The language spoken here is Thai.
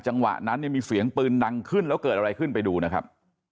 จังหวะนั้นเนี่ยมีเสียงปืนดังขึ้นแล้วเกิดอะไรขึ้นไปดูนะครับ